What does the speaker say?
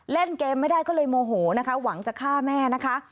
เล่นเกมไม่ได้ก็เลยโมโหนะคะหวังจะฆ่าแม่นะคะ